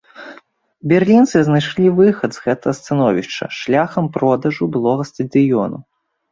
Берлінцы знайшлі выхад з гэтага становішча шляхам продажу былога стадыёну.